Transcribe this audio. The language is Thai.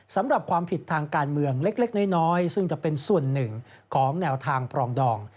สำหรับความผิดทางการเมืองเล็กน้อยซึ่งจะเป็นส่วนหนึ่งของแนวทางปรองดอง